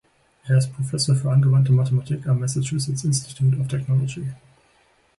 Er ist Professor für angewandte Mathematik am Massachusetts Institute of Technology.